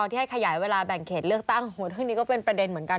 ที่ให้ขยายเวลาแบ่งเขตเลือกตั้งโหเรื่องนี้ก็เป็นประเด็นเหมือนกัน